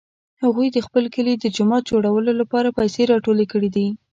هغوی د خپل کلي د جومات د جوړولو لپاره پیسې راټولې کړې دي